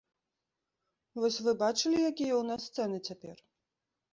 Вось вы бачылі, якія ў нас цэны цяпер?